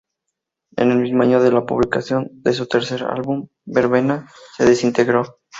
En el mismo año de la publicación de su tercer álbum, Verbena se desintegró.